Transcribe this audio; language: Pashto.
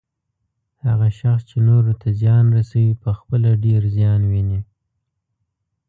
هغه شخص چې نورو ته زیان رسوي، پخپله ډیر زیان ويني